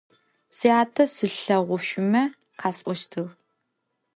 Syate slheğuşsume khas'oştığ.